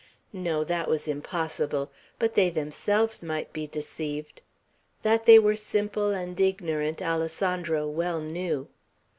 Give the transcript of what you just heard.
No; that was impossible. But they themselves might be deceived. That they were simple and ignorant, Alessandro well knew.